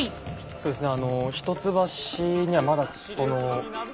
そうですね